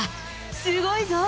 すごいぞ！